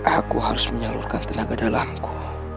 aku harus menyalurkan tenaga dalamku